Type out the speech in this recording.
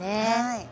はい。